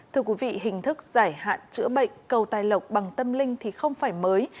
thưa quý vị hình thức giải hạn chữa bệnh cầu tài lộc bằng tâm linh thì không phải mới